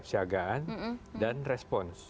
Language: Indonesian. persiagaan dan respons